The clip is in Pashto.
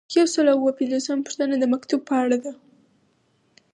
یو سل او اووه پنځوسمه پوښتنه د مکتوب په اړه ده.